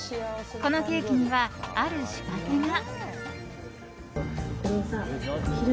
このケーキには、ある仕掛けが。